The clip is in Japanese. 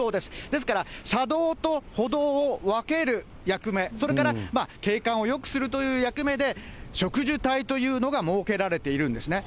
ですから、車道と歩道を分ける役目、それから景観をよくするという役目で、植樹帯というのが設けられているんですね。